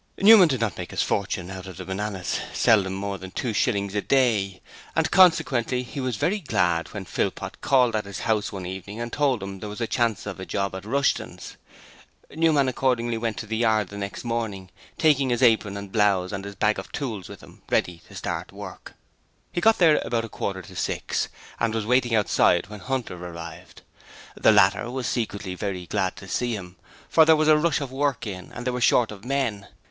Newman did not make his fortune out of the bananas seldom more than two shillings a day and consequently he was very glad when Philpot called at his house one evening and told him there was a chance of a job at Rushton's. Newman accordingly went to the yard the next morning, taking his apron and blouse and his bag of tools with him, ready to start work. He got there at about quarter to six and was waiting outside when Hunter arrived. The latter was secretly very glad to see him, for there was a rush of work in and they were short of men.